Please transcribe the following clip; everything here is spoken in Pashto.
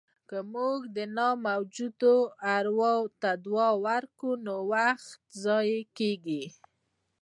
که موږ د نه موجودو ارواوو دعاوو ته وخت ورکړو، وخت ضایع کېږي.